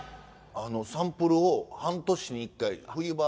サンプルを半年に１回冬場